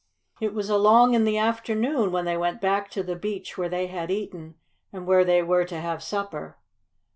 It was along in the afternoon when they went back to the beach where they had eaten, and where they were to have supper.